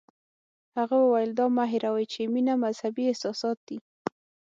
هغه وویل دا مه هیروئ چې مینه مذهبي احساسات دي.